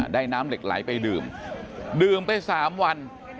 ได้น้ำเหล็กไหลไปดื่มดื่มไป๓วัน